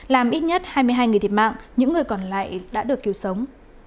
làm ít nhất hai mươi hai người thiệt mạng những người còn lại đã được cứu sống